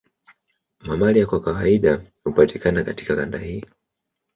Mamalia kwa kawaida hupatikana katika kanda hii